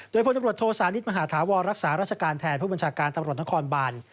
โดยพลตำรวจโทสานิทมหาธาวรรักษาราชการแทนผู้บัญชาการตำรวจนครบาน